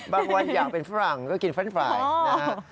บางวันอยากเป็นฝรั่งก็กินเฟรนด์ฟรายนะครับ